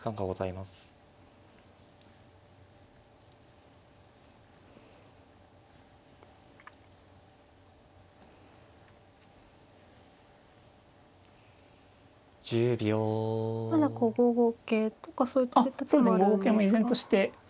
まだこう５五桂とかそういった手もあるんですか。